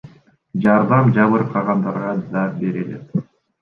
Жардам жабыркагандарга да берилет.